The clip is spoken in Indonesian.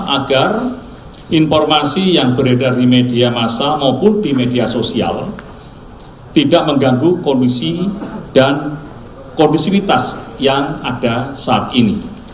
agar informasi yang beredar di media masa maupun di media sosial tidak mengganggu kondisi dan kondisivitas yang ada saat ini